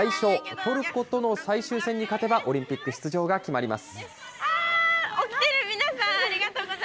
トルコとの最終戦に勝てばオリンピック出場が決まります。